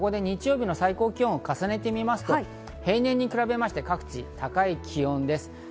日曜日の最高気温を重ねると平年に比べて各地、高い気温です。